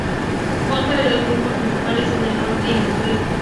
Consta de dos grupos principales: el del norte y el del suroeste.